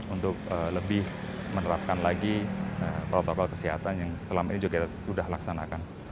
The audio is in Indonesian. untuk lebih menerapkan lagi protokol kesehatan yang selama ini juga kita sudah laksanakan